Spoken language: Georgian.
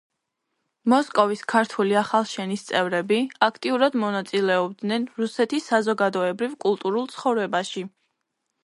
მოსკოვის ქართული ახალშენის წევრები აქტიურად მონაწილეობდნენ რუსეთის საზოგადოებრივ-კულტურულ ცხოვრებაში.